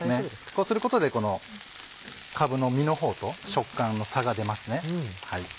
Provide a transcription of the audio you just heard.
こうすることでかぶの実の方と食感の差が出ますね。